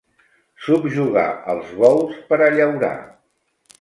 Subjugar els bous per a llaurar.